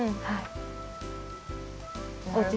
はい。